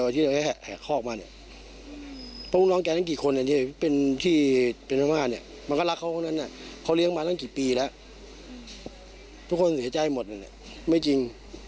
ที่ดูลุงชั้นดูแล่วจะบิราบเยี่ยมก่ายในตลาดของลุง